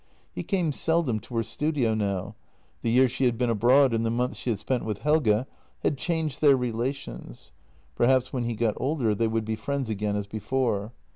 He came seldom to her studio now. The year she had been abroad and the months she had spent with Helge had changed their relations; perhaps when he got older they would be friends again as before.